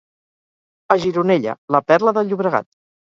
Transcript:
A Gironella, la perla del Llobregat.